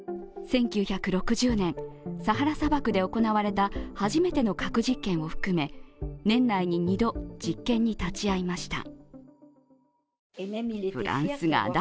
１９６０年、サハラ砂漠で行われた初めての核実験を含め、年内に２度、実験に立ち会いました。